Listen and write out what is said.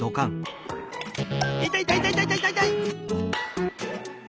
「いたいいたいいたいいたい」。